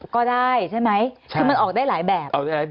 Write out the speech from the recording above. ก็ได้ใช่ไหมคือมันออกได้หลายแบบ